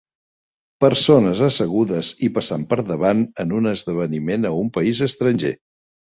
Persones assegudes i passant per davant en un esdeveniment a un país estranger.